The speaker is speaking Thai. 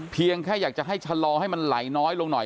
เพียงแค่อยากจะให้ชะลอให้มันไหลน้อยลงหน่อย